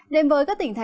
đêm với các tỉnh thành